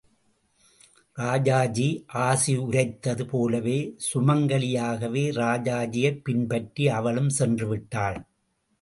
ராஜாஜி ஆசி உரைத்தது போலவே சுமங்கலியாகவே ராஜாஜியைப் பின்பற்றி அவளும் சென்றுவிட்டாள்.